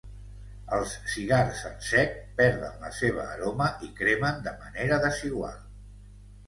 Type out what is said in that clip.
Els cigars en sec perden la seva aroma i cremen de manera desigual.